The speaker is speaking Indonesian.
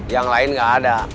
yang lain gak ada